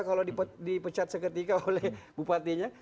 kalau dipecat seketika oleh bupatinya